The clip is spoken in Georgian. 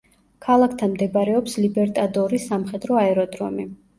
ქალაქთან მდებარეობს ლიბერტადორის სამხედრო აეროდრომი.